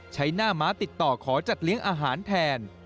ใช้หน้าม้าติดต่อขอจัดเลี้ยงอาหารแทน